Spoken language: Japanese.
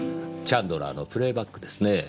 チャンドラーの『プレイバック』ですね。